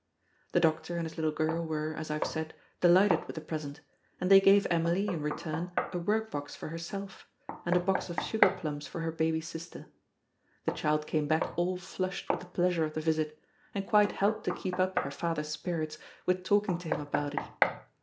The doctor and his little girl were, as I have said, delighted with the present; and they gave Emily, in return, a workbox for herself, and a box of sugar plums for her baby sister. The child came back all flushed with the pleasure of the visit, and quite helped to keep up her father's spirits with talking to him about it.